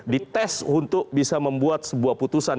dites untuk bisa membuat sebuah putusan